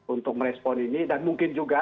untuk merespon ini dan mungkin juga